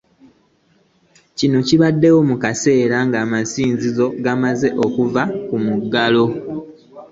Kino kizzeewo mu kaseera amasinzizo ge kamaze ku muggalo